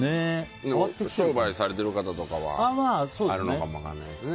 商売されてる方とかはあるのかもしれないですね。